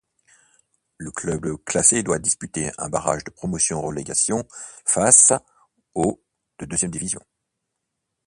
Le club classé doit disputer un barrage de promotion-relégation face au de deuxième division.